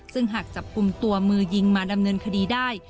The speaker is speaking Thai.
ซึ่งหากจับกลุ่มตัวมือยิงมาดำเนินคดีได้